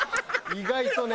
意外とね。